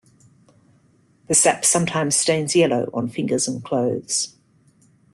The sap sometimes stains yellow on fingers and clothes.